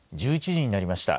１１時になりました。